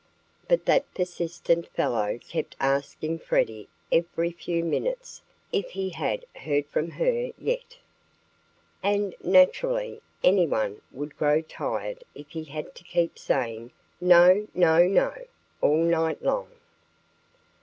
But that persistent fellow kept asking Freddie every few minutes if he had "heard from her" yet. And naturally anyone would grow tired if he had to keep saying "No! no! no!" all night long.